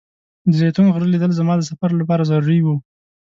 د زیتون غره لیدل زما د سفر لپاره ضروري و.